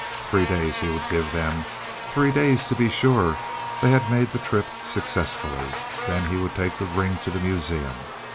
Three days he would give them. Three days, to be sure they had made the trip successfully. Then he would take the ring to the Museum.